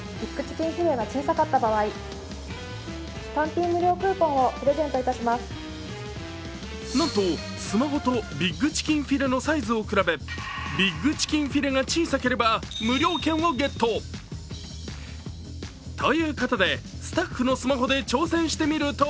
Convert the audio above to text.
更になんとスマホとビッグチキンフィレのサイズを比べビッグチキンフィレが小さければ無料券をゲット。ということで、スタッフのスマホで挑戦してみると